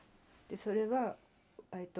それはえっと